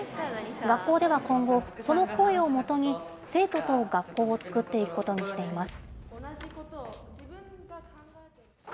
学校では今後、その声をもとに生徒と学校を作っていくことにしています。